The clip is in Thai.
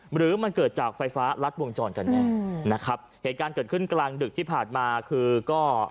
หรือมันเกิดจากไฟฟ้ารัดวงจรกันแน่นะครับเหตุการณ์เกิดขึ้นกลางดึกที่ผ่านมาคือก็